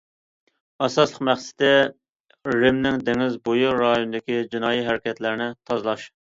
ئاساسلىق مەقسىتى: رىمنىڭ دېڭىز بويى رايونىدىكى جىنايى ھەرىكەتلەرنى تازىلاش.